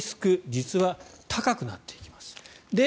実は高くなっていきます。